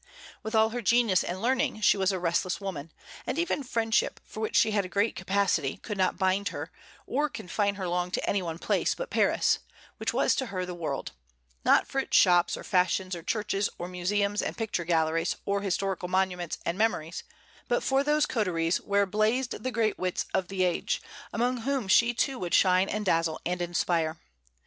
With all her genius and learning she was a restless woman; and even friendship, for which she had a great capacity, could not bind her, or confine her long to any one place but Paris, which was to her the world, not for its shops, or fashions, or churches, or museums and picture galleries, or historical monuments and memories, but for those coteries where blazed the great wits of the age, among whom she too would shine and dazzle and inspire.